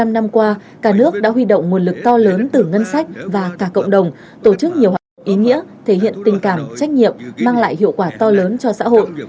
bảy mươi năm năm qua cả nước đã huy động nguồn lực to lớn từ ngân sách và cả cộng đồng tổ chức nhiều hoạt động ý nghĩa thể hiện tình cảm trách nhiệm mang lại hiệu quả to lớn cho xã hội